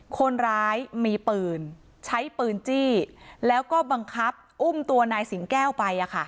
คนร้ายมีปืนใช้ปืนจี้แล้วก็บังคับอุ้มตัวนายสิงแก้วไป